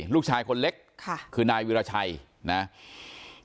ลูกชายคนเล็กคือนายวิราชัยนะครับ